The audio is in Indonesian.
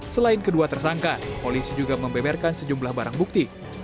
selain kedua tersangka polisi juga membeberkan sejumlah barang bukti